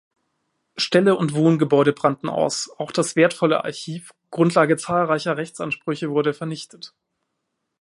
Ställe und Wohngebäude brannten aus, auch das wertvolle Archiv, Grundlage zahlreicher Rechtsansprüche, wurde vernichtet.